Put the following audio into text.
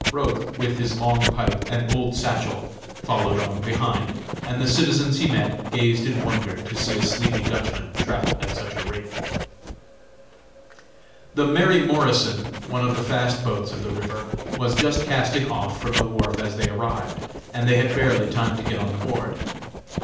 Roch, with his long pipe and old satchel, followed on behind, and the citizens he met gazed in wonder to see a sleepy Dutchman travel at such a rate. The "Mary Morrison," one of the fast boats of the river, was just casting off from the wharf as they arrived, and they had barely time to get on board.